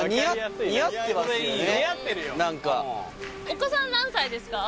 お子さん何歳ですか？